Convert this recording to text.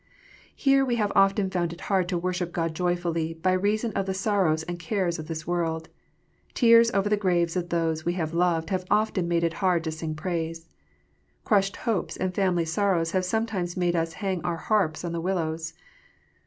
Here we have often found it hard to worship God joyfully, by reason of the sorrows and cares of this world. Tears over the graves of those we loved have often made it hard to sing praise. Crushed hopes and family sorrows have sometimes made us hang our harps on the willows.